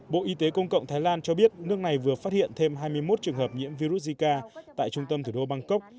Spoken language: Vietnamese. bộ y tế công cộng thái lan cho biết nước này vừa phát hiện thêm hai mươi một trường hợp nhiễm virus zika tại trung tâm thủ đô bangkok